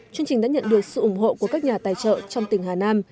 chương trình đã nhận được sự ủng hộ của các nhà tài trợ trong tỉnh hà nam